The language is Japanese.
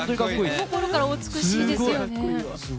このころからお美しいですよね。